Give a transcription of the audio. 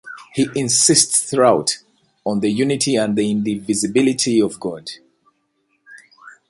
He insists throughout on the unity and the indivisibility of God.